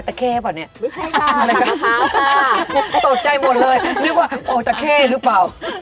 เห็นไหมคะ